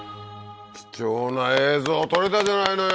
貴重な映像撮れたじゃないのよ！